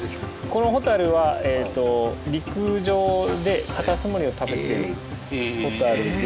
このホタルは陸上でカタツムリを食べてるホタルで。